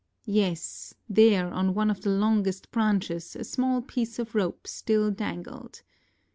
Yes, there on one of the longest branches a small piece of rope still dangled.